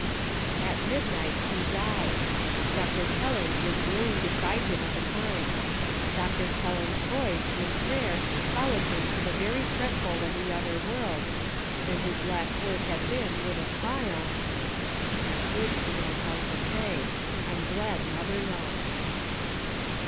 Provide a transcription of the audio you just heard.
At midnight he died. Dr. Kelland was kneeling beside him at the time ; Dr. Kelland's voice in prayer followed him to the very threshold of the other world, and his last word had been with a smile :" It is good to know how to pray. I'm glad mother knows."